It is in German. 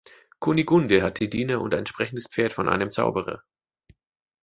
Kunigunde hat die Diener und ein sprechendes Pferd von einem Zauberer.